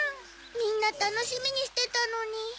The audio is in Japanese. みんなたのしみにしてたのに。